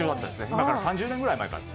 今から３０年ぐらい前かな。